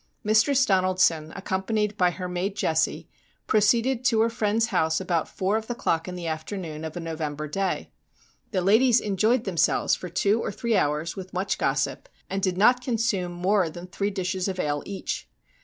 Mistress Donaldson, accompanied by her maid Jessie, proceeded to her friend's house about four of the clock in the afternoon of a November day. The ladies enjoyed themselves for two or three hours with much gossip, and did not consume more than three dishes of ale each.